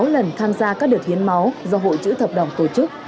một mươi sáu lần tham gia các đợt hiến máu do hội chữ thập đồng tổ chức